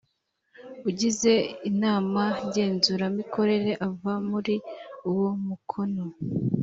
Ugize Inama Ngenzuramikorere ava muri uwomukono